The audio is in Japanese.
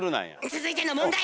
続いての問題！